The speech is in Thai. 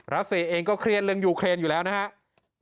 ราเซเองก็เครียดเรื่องยูเครนอยู่แล้วนะครับ